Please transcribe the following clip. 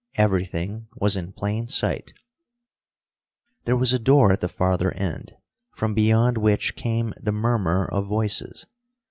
Everything was in plain sight. There was a door at the farther end, from beyond which came the murmur of voices.